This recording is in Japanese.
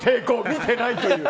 見てないという。